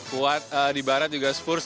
kuat di barat juga spurs